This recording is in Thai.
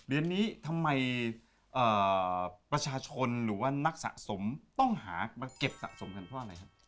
เดือนนี้ทำไมประชาชนหรือว่านักสะสมต้องหามาเก็บสะสมกันเพราะอะไรครับ